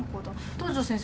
東上先生